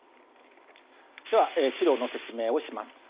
では資料の説明をします。